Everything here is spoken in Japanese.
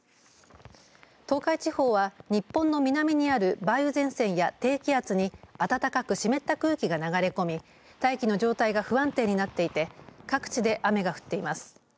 東海地方は日本の南にある梅雨前線や低気圧に暖かく湿った空気が流れ込み大気の状態が不安定になっていて各地で雨が降っています。